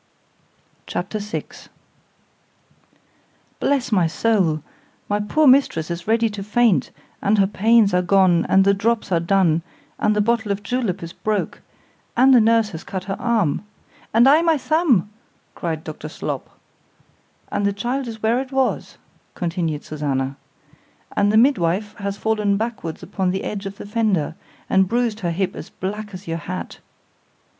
C H A P. VI ——BLESS my soul!—my poor mistress is ready to faint——and her pains are gone—and the drops are done—and the bottle of julap is broke——and the nurse has cut her arm—(and I, my thumb, cried Dr. Slop,) and the child is where it was, continued Susannah,—and the midwife has fallen backwards upon the edge of the fender, and bruised her hip as black as your hat.